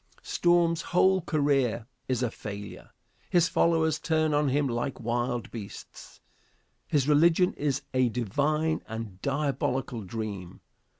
Storm's whole career is a failure. His followers turn on him like wild beasts. His religion is a divine and diabolical dream.